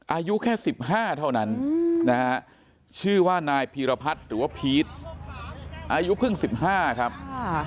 อายุแค่๑๕เท่านั้นนะฮะชื่อว่านายพีรพัฒน์หรือว่าพีชอายุเพิ่ง๑๕ครับ